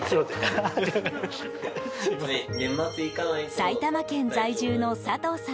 埼玉県在住の佐藤さん